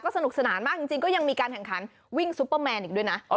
สนุกสนานมากจริงก็ยังมีการแข่งขันวิ่งซุปเปอร์แมนอีกด้วยนะ